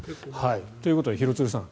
ということで廣津留さん